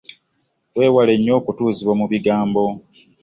Weewale nnyo okutuuzibwa mu bigambo.